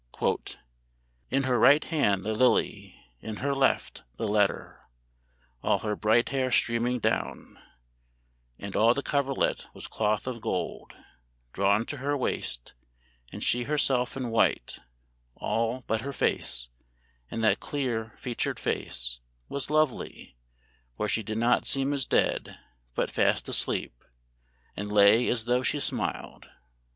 ("In her right hand the lily, in her left The letter all her bright hair streaming down And all the coverlet was cloth of gold Drawn to her waist, and she herself in white All but her face, and that clear featured face Was lovely, for she did not seem as dead, But fast asleep, and lay as tho' she smiled.")